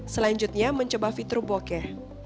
selanjutnya mencoba fitur bokeh